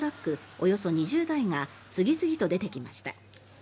およそ２０台が次々と出てきました。